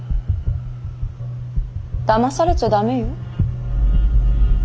だまされちゃ駄目よ。